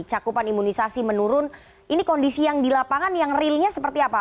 cakupan imunisasi menurun ini kondisi yang di lapangan yang realnya seperti apa